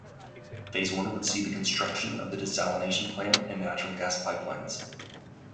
Phase one would see the construction of the desalination plant and natural gas pipelines.